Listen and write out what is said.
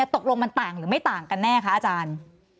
ตกลงมันต่างหรือไม่ต่างกันแน่คะอาจารย์